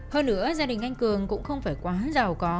hơn nữa gia đình anh cường cũng không phải quá giàu có